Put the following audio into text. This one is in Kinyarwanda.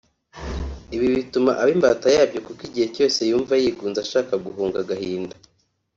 ibi bituma aba imbata yabyo kuko igihe cyose yumva yigunze ashaka guhunga agahinda